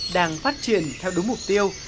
đang phát triển theo đúng mục tiêu